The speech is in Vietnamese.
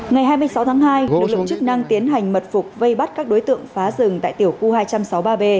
ngày hai mươi sáu tháng hai lực lượng chức năng tiến hành mật phục vây bắt các đối tượng phá rừng tại tiểu khu hai trăm sáu mươi ba b